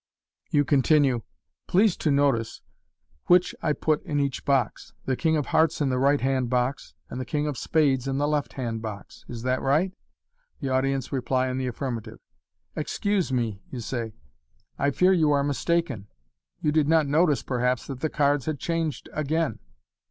You continue, " Please to notice which MODERN MAGIC. '45 I put in each box — the king of hearts in the right hand box, and the king of spades in the left hand box. Is that right ?" The audience reply in the affirmative. " Excuse me/' you say, " I fear you are mistaken. You did not notice,, perhaps, that the cards had changed again."